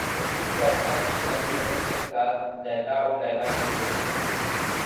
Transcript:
عروج فاطمہ کی علی ظفر کے ساتھ لیلی او لیلی کے ذریعے انٹری